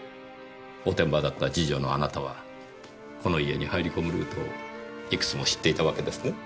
おてんばだった次女のあなたはこの家に入り込むルートをいくつも知っていたわけですね？